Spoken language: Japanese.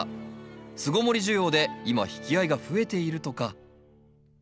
巣ごもり需要で今引き合いが増えているとか。